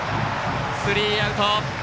スリーアウト。